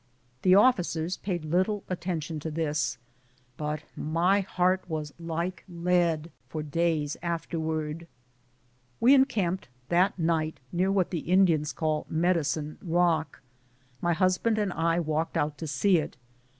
The officers paid little attention to this, but my heart was like lead for days afterwards. We encamped that night near what the Indians call "Medicine Rock;" my husband and I w^alked out to see it.